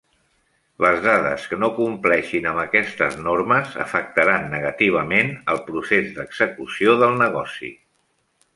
Les dades que no compleixin amb aquestes normes afectaran negativament el procés d'execució del negoci.